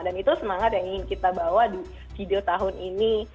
dan itu semangat yang ingin kita bawa di video tahun ini